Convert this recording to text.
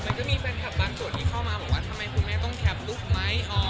มันก็มีแฟนคลับบางส่วนที่เข้ามาบอกว่าทำไมคุณแม่ต้องแคปลูกไหม